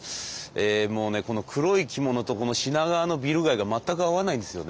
もうね黒い着物とこの品川のビル街が全く合わないんですよね。